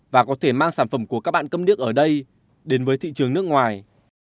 và có thể mang sản phẩm của các bạn cầm điếc ở đây đến với thị trường nước ngoài